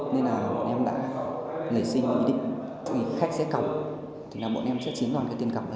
nên là bọn em đã lấy xin ý định khách sẽ cầm thì bọn em sẽ chiếm đoạt tiền cặp đấy